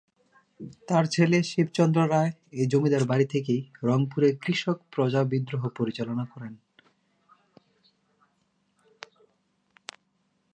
তার ছেলে শিব চন্দ্র রায় এই জমিদার বাড়ি থেকেই রংপুরের কৃষক প্রজা বিদ্রোহ পরিচালনা করেন।